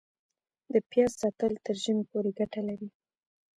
د پیاز ساتل تر ژمي پورې ګټه لري؟